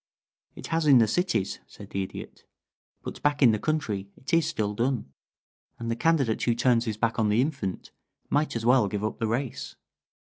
"It has in the cities," said the Idiot. "But back in the country it is still done, and the candidate who turns his back on the infant might as well give up the race.